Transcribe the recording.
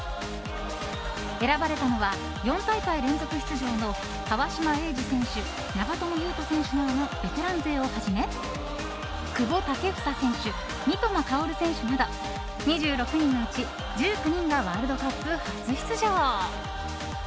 選ばれたのは４大会連続出場の川島永嗣選手長友佑都選手などのベテラン勢をはじめ久保建英選手、三笘薫選手など２６人のうち１９人がワールドカップ初出場。